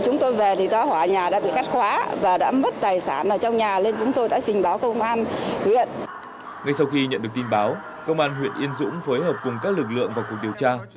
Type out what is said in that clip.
ngay sau khi nhận được tin báo công an huyện yên dũng phối hợp cùng các lực lượng vào cuộc điều tra